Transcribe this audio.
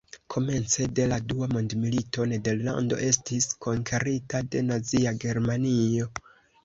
Komence de la dua mondmilito, Nederlando estis konkerita de Nazia Germanio.